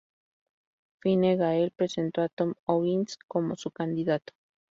Fine Gael presentó a Tom O'Higgins como su candidato.